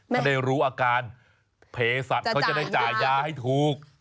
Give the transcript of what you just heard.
ถ้าได้รู้อาการเพศัตริย์เขาจะได้จ่ายยาให้ถูก